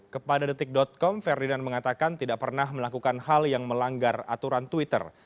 kepada detik com ferdinand mengatakan tidak pernah melakukan hal yang melanggar aturan twitter